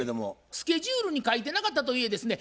スケジュールに書いてなかったといえですね